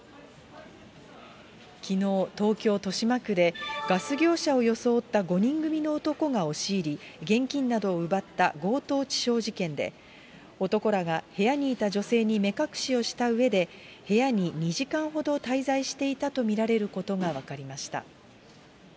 きのう、東京・豊島区で、ガス業者を装った５人組の男が押し入り、現金などを奪った強盗致傷事件で、男らが部屋にいた女性に目隠しをしたうえで、部屋に２時間ほど滞在していたと見られることが分かりました。